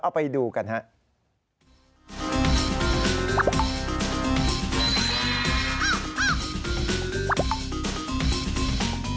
เอาไปดูกันครับ